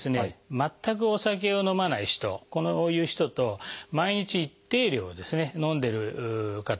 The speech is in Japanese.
全くお酒を飲まない人こういう人と毎日一定量飲んでる方。